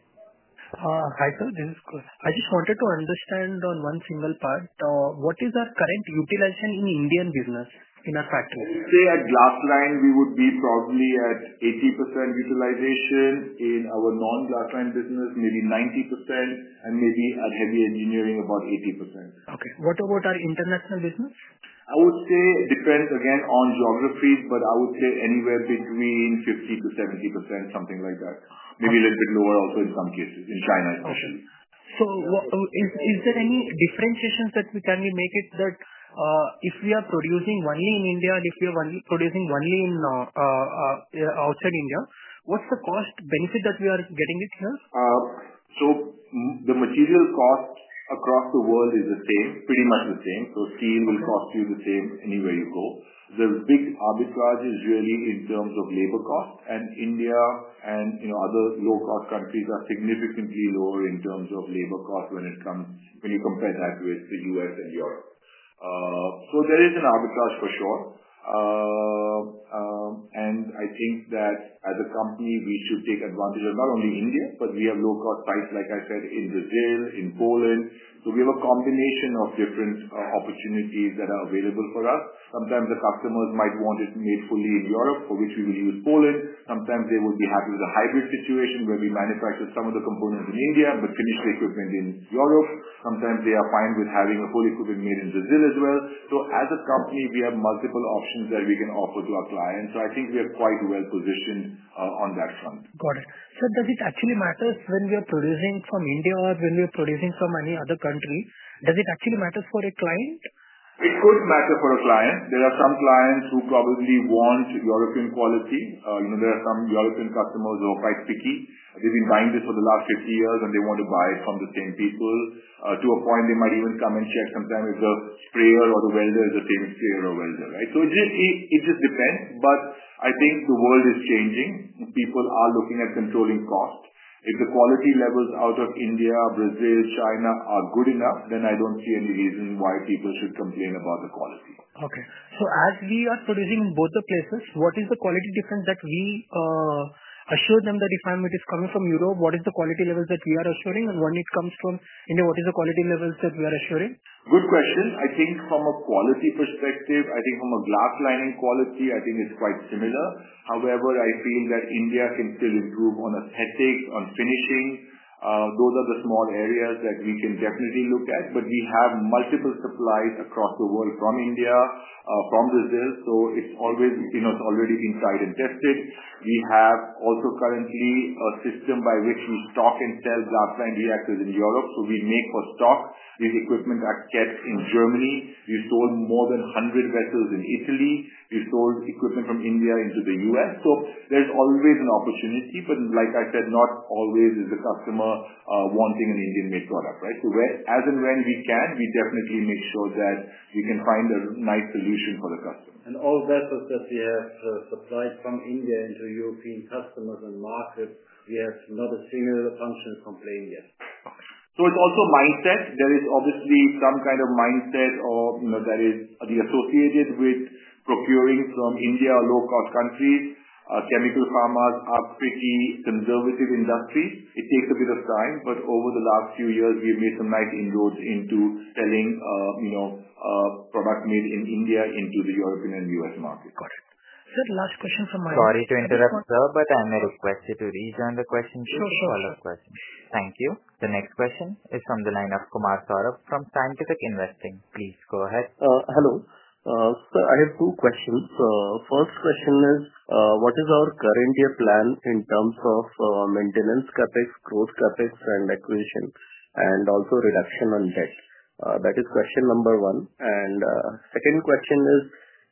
Hi, sir. I just wanted to understand on one single part. What is our current utilization in the Indian business in our factory? Let's say at glass-lined, we would be probably at 80% utilization. In our non-glass-lined business, maybe 90%, and maybe our heavy engineering, about 80%. Okay. What about our international business? I would say it depends again on geography, but I would say anywhere between 50%-70%, something like that. Maybe a little bit lower also in some cases in China especially. Is there any differentiation that we can make if we are producing only in India and if we are producing only outside India? What's the cost benefit that we are getting here? The material cost across the world is pretty much the same. Steel will cost you the same anywhere you go. The big arbitrage is really in terms of labor cost. India and other low-cost countries are significantly lower in terms of labor cost when you compare that with the U.S. and Europe. There is an arbitrage for sure. I think that as a company, we should take advantage of not only India, but we have low-cost sites, like I said, in Brazil and in Poland. We have a combination of different opportunities that are available for us. Sometimes the customers might want it made fully in Europe, for which we will use Poland. Sometimes they will be happy with a hybrid situation where we manufacture some of the components in India but finish the equipment in Europe. Sometimes they are fine with having a full equipment made in Brazil as well. As a company, we have multiple options that we can offer to our clients. I think we are quite well positioned on that front. Got it. Sir, does it actually matter when you're producing from India or when you're producing from any other country? Does it actually matter for a client? It could matter for a client. There are some clients who probably want European quality. There are some European customers who are quite picky. They've been buying this for the last 50 years, and they want to buy it from the same people to a point they might even come and check if the sprayer or the welder is the same sprayer or welder, right? It just depends. I think the world is changing. People are looking at controlling cost. If the quality levels out of India, Brazil, or China are good enough, then I don't see any reason why people should complain about the quality. Okay. As we are producing in both the places, what is the quality difference that we assure them? If it is coming from Europe, what is the quality level that we are assuring? When it comes from India, what is the quality level that we are assuring? Good question. I think from a quality perspective, from a glass-lined quality, I think it's quite similar. However, I think that India can still improve on aesthetics, on finishing. Those are the small areas that we can definitely look at. We have multiple supplies across the world from India, from Brazil. It's already been tried and tested. We have also currently a system by which we stock and sell glass-lined reactors in Europe. We make for stock. The equipment that gets in Germany, we've sold more than 100 vessels in Italy. We've sold equipment from India into the U.S. There's always an opportunity. Not always is the customer wanting an Indian-made product, right? As and when we can, we definitely make sure that we can find a nice solution for the customer. All of that, sir, because we have supplied from India into European customers and markets, we have not a single function complaint yet. It is also mindset. There is obviously some kind of mindset that is associated with procuring from India or low-cost countries. Chemical farmers are pretty conservative industries. It takes a bit of time. Over the last few years, we've made some nice inroads into selling, you know, products made in India into the European and U.S. markets. Last question from my side. Sorry to interrupt, sir, but I'm not requested to rejoin the question. Follow-up question. Thank you. The next question is from the line of Kumar Saurabh from Scientific Investing. Please go ahead. Hello. Sir, I have two questions. First question is, what is our current year plan in terms of maintenance CapEx, gross CapEx, and acquisition, and also reduction on debt? That is question number one. The second question is,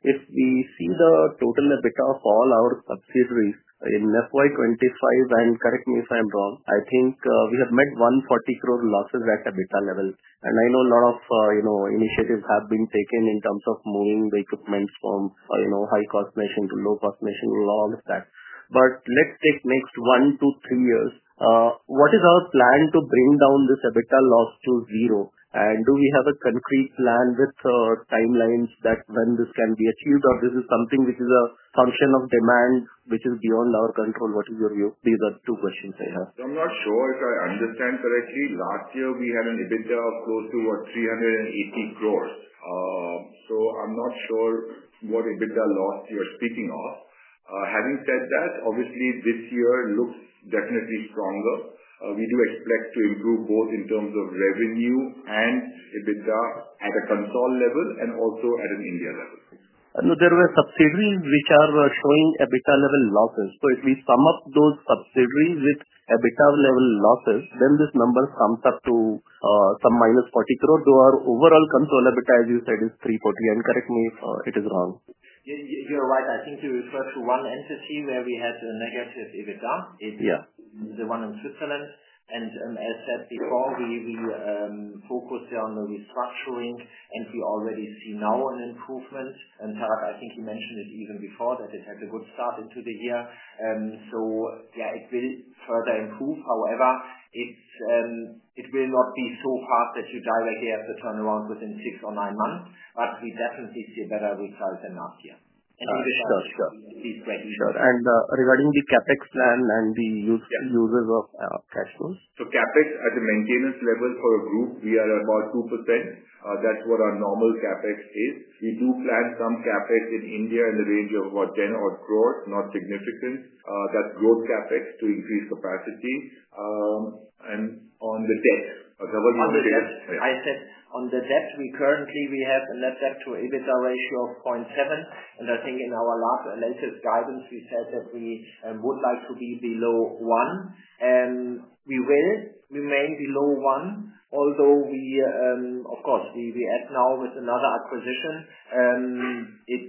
if we see the total EBITDA of all our subsidiaries in FY 2025, and correct me if I'm wrong, I think we have made 140 crore losses at EBITDA level. I know a lot of, you know, initiatives have been taken in terms of moving the equipment from, you know, high-cost nation to low-cost nation, all of that. Let's take next one, two, three years. What is our plan to bring down this EBITDA loss to zero? Do we have a concrete plan with, sir, or timelines that when this can be achieved, or this is something which is a function of demand which is beyond our control? What is your view? These are two questions I have. I'm not sure if I understand correctly. Last year, we had an EBITDA of close to 380 crore. I'm not sure what EBITDA loss you're speaking of. Having said that, obviously, this year looks definitely stronger. We do expect to improve both in terms of revenue and EBITDA at a control level and also at an India level. There were subsidiaries which are showing EBITDA level losses. If we sum up those subsidiaries with EBITDA level losses, this number comes up to about -40 crore. Our overall consolidated EBITDA, as you said, is 340 crore. Correct me if this is wrong. Yeah, you're right. I think you referred to one entity where we had a negative EBITDA. Yes. The one in Switzerland. As said before, we focused on the restructuring, and we already see now an improvement. Tarak, I think you mentioned it even before that it has a good start into the year, so it will further improve. However, it will not be so hard that you directly have to turn around within six or nine months. We definitely see a better return than last year. I'm sure. Please go ahead. Regarding the CapEx plan and the uses of cash flows? So, CapEx at the maintenance level for the group, we are about 2%. That's what our normal CapEx is. We do plan some CapEx in India in the range of about 10 crore, not significant. That's growth CapEx to increase capacity. On the debt, a government. On the debt, we currently have an EBITDA ratio of 0.7. In our latest guidance, we said that we would like to be below 1. We will remain below 1, although we add now with another acquisition. It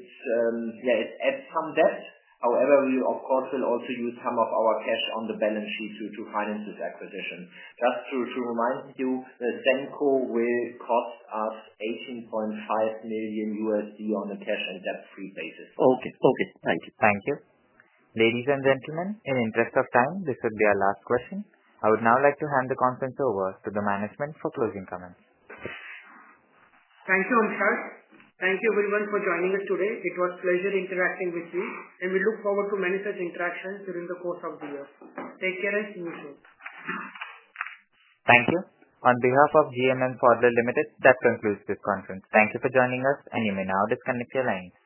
adds some debt. However, we will also use some of our cash on the balance sheet to finance this acquisition. Just to remind you, the SEMCO will cost us $18.5 million on a cash and debt-free basis. Okay. Okay. Thank you. Thank you. Ladies and gentlemen, in the interest of time, this would be our last question. I would now like to hand the conference over to the management for closing comments. Thank you, Amshad. Thank you, everyone, for joining us today. It was a pleasure interacting with you. We look forward to many such interactions during the course of the year. Take care, and see you soon. Thank you. On behalf of GMM Pfaudler Limited, that concludes this conference. Thank you for joining us, and you may now disconnect your lines.